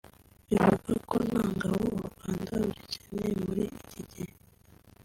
Bivuga ko nta ngabo u Rwanda rugikeneye muri iki gihe